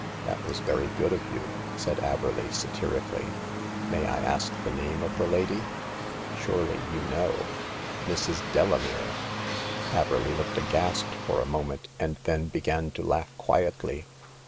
" That was very good of you," said Averley, satirically. May I ask the name of the lady ?"" Surely you know ! Mrs. Delamere." Averley looked aghast for a moment, and then began to laugh quietly.